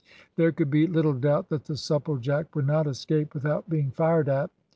There could be little doubt that the Supplejack would not escape without being fired at.